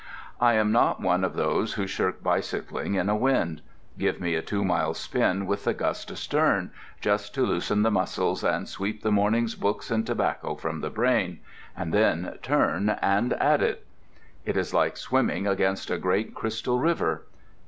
I am not one of those who shirk bicycling in a wind. Give me a two mile spin with the gust astern, just to loosen the muscles and sweep the morning's books and tobacco from the brain—and then turn and at it! It is like swimming against a great crystal river.